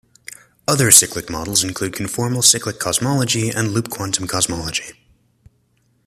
Other cyclic models include Conformal cyclic cosmology and Loop quantum cosmology.